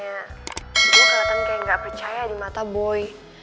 gue kelihatan kayak nggak percaya di mata boy